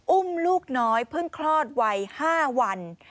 อุ้มลูกน้อยเพิ่งคลอดวัย๕วัน